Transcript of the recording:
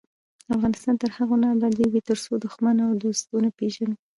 افغانستان تر هغو نه ابادیږي، ترڅو دښمن او دوست ونه پیژنو.